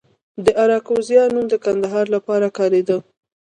د اراکوزیا نوم د کندهار لپاره کاریده